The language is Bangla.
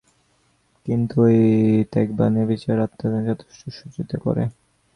কিন্তু ঐ ত্যাগ বা নেতিভাব আত্মার যথার্থ অস্তিত্বই সূচিত করে।